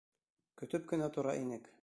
Көтөп кенә тора инек.